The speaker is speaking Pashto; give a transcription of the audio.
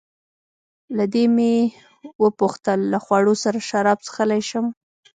له دې مې وپوښتل: له خوړو سره شراب څښلای شم؟